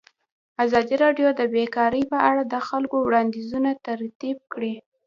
ازادي راډیو د بیکاري په اړه د خلکو وړاندیزونه ترتیب کړي.